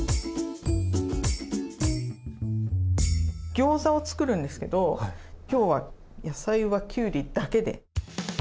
ギョーザをつくるんですけどきょうは野菜はきゅうりだけで。